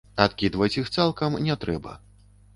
Адкідваць іх цалкам не трэба.